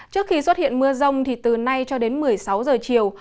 trước khi xuất hiện mưa rông thì từ nay cho đến một mươi sáu giờ chiều